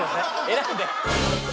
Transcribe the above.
選んで。